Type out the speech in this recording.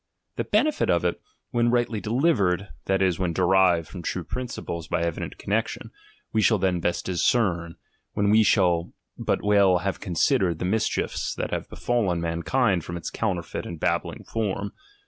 ■ The benefit of it, when rightly delivered, that is, when derived from true t principles by evident connection, we shall then best discern, when we shall but well have consid ered the mischiefs that have befallen mankind from its counterfeit and babbling form.